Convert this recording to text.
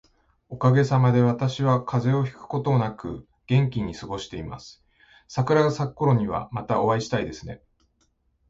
おかげさまで、私は風邪をひくこともなく元気に過ごしています。桜が咲くころには、またお会いしたいですね。